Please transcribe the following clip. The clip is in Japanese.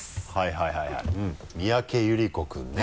はいはいはい三宅祐里子君ね。